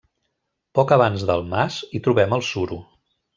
Poc abans del mas hi trobem el suro.